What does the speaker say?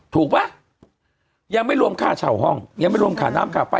ถูกป่ะยังไม่รวมค่าเช่าห้องยังไม่รวมค่าน้ำค่าไฟ